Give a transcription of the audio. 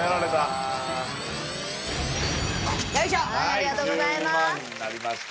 ありがとうございます。